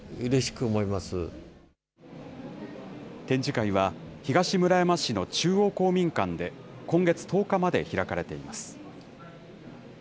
展示会は、東村山市の中央公民館で、今月１０日まで開かれています。